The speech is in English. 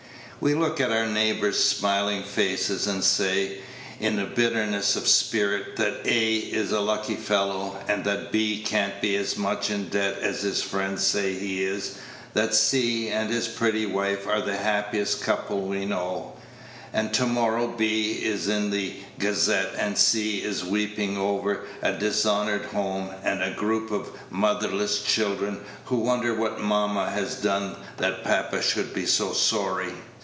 We look at our neighbors' smiling faces, and say, in bitterness of spirit, that A is a lucky fellow, and that B can't be as much in debt as his friends say he is; that C and his pretty wife are the happiest couple we know; and to morrow B is in the Gazette, and C is weeping over a dishonored home, and a group of motherless children, who wonder what mamma has done that papa should be so sorry.